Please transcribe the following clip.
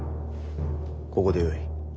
ここでよい。